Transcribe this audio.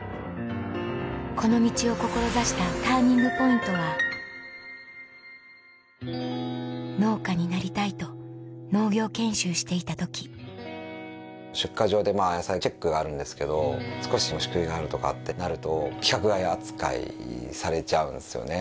この道を志したＴＵＲＮＩＮＧＰＯＩＮＴは農家になりたいと農業研修していた時出荷場で野菜チェックがあるんですけど少し虫食いがあるとかってなると規格外扱いされちゃうんですよね。